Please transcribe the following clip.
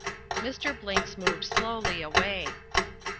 Mr. Blinks moved slowly away.